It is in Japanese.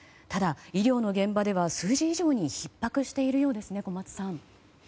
ただ、医療の現場では数字以上にひっ迫しているようですね。